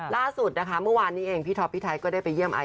ล่าสุดนะคะเมื่อวานนี้เองพี่ท็อปพี่ไทยก็ได้ไปเยี่ยมไอซ